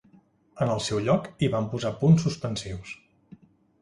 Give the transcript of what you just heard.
En el seu lloc hi van posar punts suspensius.